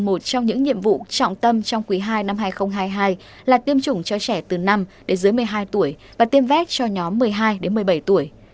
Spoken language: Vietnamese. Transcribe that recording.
một trong những nhiệm vụ trọng tâm trong quý ii năm hai nghìn hai mươi hai là tiêm chủng cho trẻ từ năm đến dưới một mươi hai tuổi và tiêm vét cho nhóm một mươi hai đến một mươi bảy tuổi